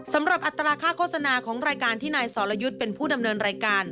อัตราค่าโฆษณาของรายการที่นายสรยุทธ์เป็นผู้ดำเนินรายการ